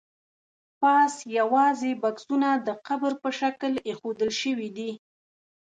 پاس یوازې بکسونه د قبر په شکل ایښودل شوي دي.